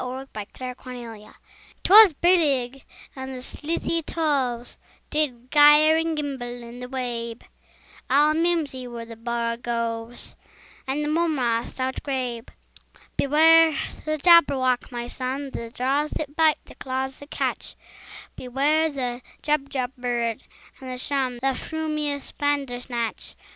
Lewis Carroll Jabberwocky 'TWAS brillig, and the slithy toves Did gyre and gimble in the wabe: All mimsy were the borogoves, And the mome raths outgrabe. "Beware the Jabberwock, my son! The jaws that bite, the claws that catch! Beware the Jubjub bird, and shun The frumious Bandersnatch!"